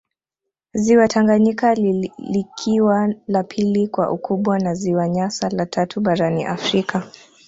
Ziwa Tanganyika likiwa la pili kwa ukubwa na ziwa Nyasa la tatu barani Afrika